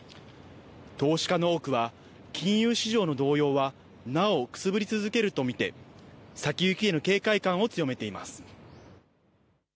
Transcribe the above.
投資家の多くは金融市場の動揺はなおくすぶり続けると見て先行きへの警戒感を強めています。